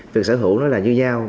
việc sở hữu nó là như nhau